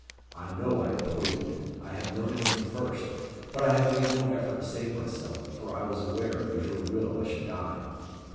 I know I am poisoned: I have known it from the first. But I have made no effort to save myself, for I was aware it was your will I should die."